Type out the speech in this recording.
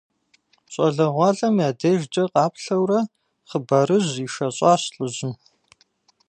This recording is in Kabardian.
Щӏалэгъуалэм я дежкӏэ къаплъэурэ хъыбарыжь ишэщӀащ лӏыжьым.